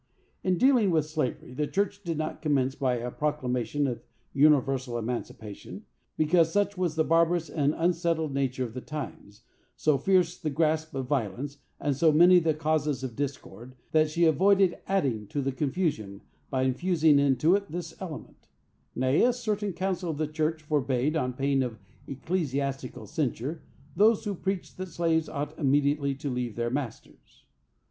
In dealing with slavery, the church did not commence by a proclamation of universal emancipation, because, such was the barbarous and unsettled nature of the times, so fierce the grasp of violence, and so many the causes of discord, that she avoided adding to the confusion by infusing into it this element;—nay, a certain council of the church forbade, on pain of ecclesiastical censure, those who preached that slaves ought immediately to leave their masters.